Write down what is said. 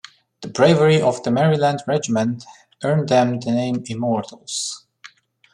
The bravery of the Maryland Regiment earned them the name "immortals".